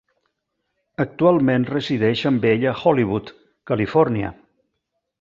Actualment resideix amb ell a Hollywood, Califòrnia.